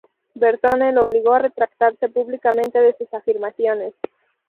Bertone lo obligó a retractarse públicamente de sus afirmaciones.